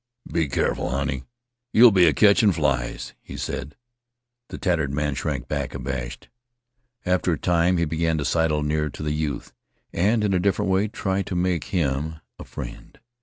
"Be keerful, honey, you 'll be a ketchin' flies," he said. The tattered man shrank back abashed. After a time he began to sidle near to the youth, and in a different way try to make him a friend.